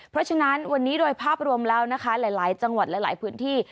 เพราะฉะนั้นวันนี้โดยภาพรวมแล้วนะคะหลายจังหวัดหลายพื้นที่